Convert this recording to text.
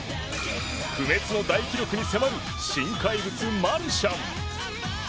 不滅の大記録に迫る新怪物、マルシャン。